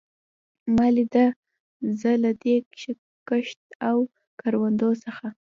ما لیده، زه له دې کښت او کروندو څخه.